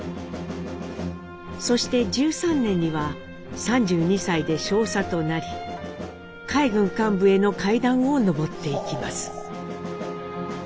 そして１３年には３２歳で少佐となり海軍幹部への階段を上っていきます。